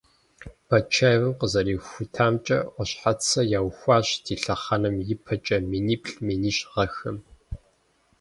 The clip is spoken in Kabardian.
Батчаевым къызэрихутамкӀэ, Ӏуащхьацэ яухуащ ди лъэхъэнэм ипэкӀэ миниплӏ - минищ гъэхэм.